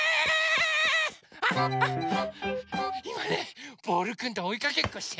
あっいまねボールくんとおいかけっこしてるの。